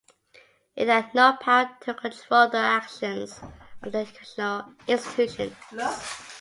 It had no power to control the actions of educational institutions.